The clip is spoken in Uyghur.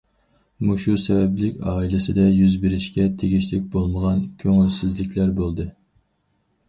مۇشۇ سەۋەبلىك ئائىلىسىدە يۈز بېرىشكە تېگىشلىك بولمىغان كۆڭۈلسىزلىكلەر بولدى.